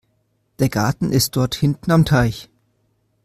Der Garten ist dort hinten am Teich.